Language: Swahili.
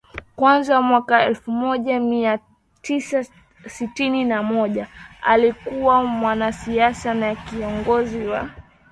kwanza mwaka elfu moja mia tisa sitini na moja alikuwa mwanasiasa na kiongozi wa